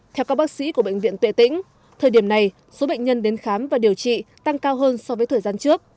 theo các bác sĩ của bệnh viện tuệ tĩnh thời điểm này số bệnh nhân đến khám và điều trị tăng cao hơn so với thời gian trước